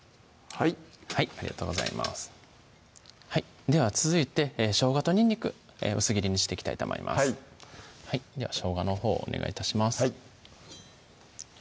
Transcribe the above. はいありがとうございますでは続いてしょうがとにんにく薄切りにしていきたいと思いますではしょうがのほうをお願い致します